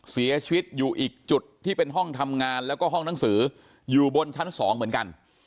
เสียชีวิตอยู่อีกจุดที่เป็นห้องทำงานแล้วก็ห้องหนังสืออยู่บนชั้น๒เหมือนกัน